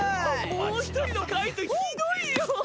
もう一人の介人ひどいよ。